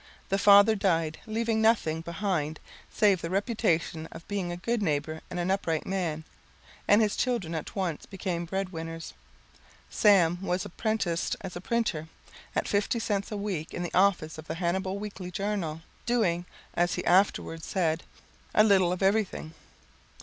The father died, leaving nothing behind save the reputation of being a good neighbor and an upright man and his children at once became bread winners. "Sam" was apprenticed as a printer at 50 cents a week in the office of The Hannibal Weekly Journal, doing as he afterward said, "a little of everything."